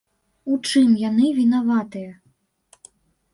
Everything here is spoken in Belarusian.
У чым яны вінаватыя?